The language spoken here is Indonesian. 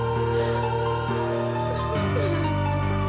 masalah bukan itu